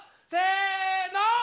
せの。